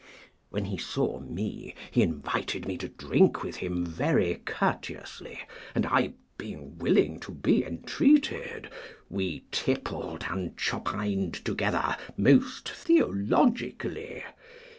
When he saw me, he invited me to drink with him very courteously, and I being willing to be entreated, we tippled and chopined together most theologically.